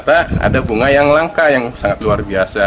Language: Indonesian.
ada bunga yang langka yang sangat luar biasa